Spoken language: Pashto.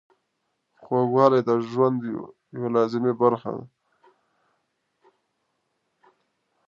خوږوالی د خوند یوه لازمي برخه ده.